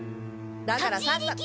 だからさっさと。